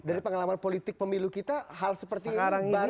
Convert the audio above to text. dari pengalaman politik pemilu kita hal seperti ini baru apa nggak